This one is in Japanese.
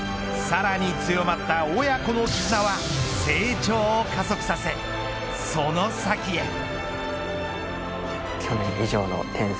さらに強まった親子のきずなは成長を加速させその先へ。